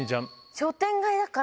商店街だから。